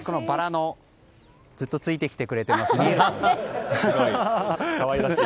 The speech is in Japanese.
ずっとついてきてくれてますね。